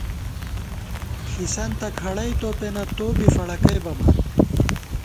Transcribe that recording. ݪِسنتہ کھڑَئی تو پېنہ، تو بی فڑَکئی بَمان